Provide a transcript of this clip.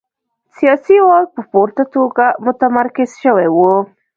سیاسي واک په پوره توګه متمرکز شوی و.